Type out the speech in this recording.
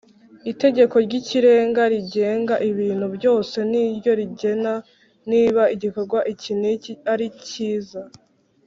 itegeko ry’ikirenga rigenga ibintu byose ni ryo rigena niba igikorwa iki n’iki ari cyiza